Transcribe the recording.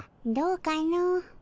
どうかの？